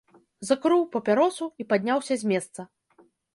Закурыў папяросу і падняўся з месца.